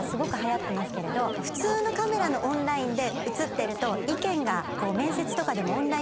普通のカメラのオンラインで写ってると意見が。